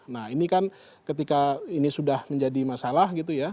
nah ini kan ketika ini sudah menjadi masalah gitu ya